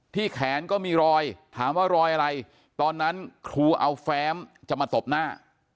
แขนก็มีรอยถามว่ารอยอะไรตอนนั้นครูเอาแฟ้มจะมาตบหน้า